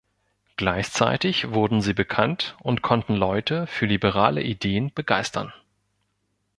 Gleichzeitig wurden sie bekannt und konnten Leute für liberale Ideen begeistern.